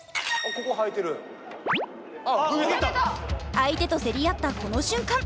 相手と競り合ったこの瞬間。